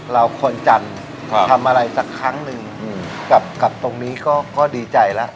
เราคนจันทร์ทำอะไรสักครั้งหนึ่งกับตรงนี้ก็ดีใจแล้ว